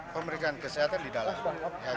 pemeriksaan kesehatan di dalam